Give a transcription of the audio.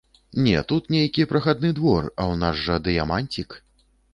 Ну, тут нейкі прахадны двор, а ў нас жа дыяманцік.